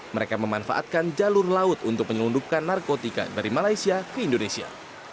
mereka memanfaatkan jalur laut untuk menyelundupkan narkotika dari malaysia ke indonesia